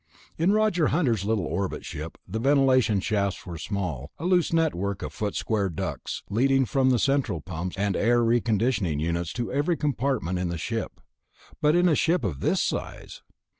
In Roger Hunter's little orbit ship the ventilation shafts were small, a loose network of foot square ducts leading from the central pumps and air reconditioning units to every compartment in the ship. But in a ship of this size....